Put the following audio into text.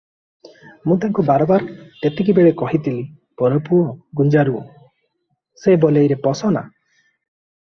ମୁଁ ତାଙ୍କୁ ବାରବାର ତେତିକିବେଳେ କହିଥିଲି -'ପରପୁଅ ଗୁଞ୍ଜାରୁଅ' ସେ ବଲେଇରେ ପଶ ନା ।